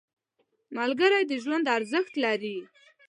ملګری د ژوند ارزښت دی